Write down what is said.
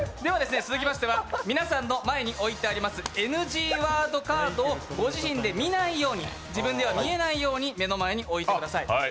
続きましては皆さんの前に置いてありますＮＧワードカードをご自身で見ないように、自分では見えないように目の前に置いてください。